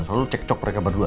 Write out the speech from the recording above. selalu cek cok mereka berdua